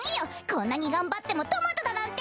こんなにがんばってもトマトだなんて！